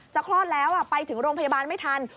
คลอดแล้วไปถึงโรงพยาบาลไม่ทัน